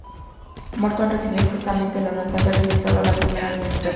Morton recibió injustamente el honor de haber realizado la primera administración de anestesia.